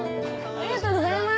ありがとうございます！